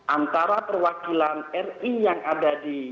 antara perwakilan ri yang ada di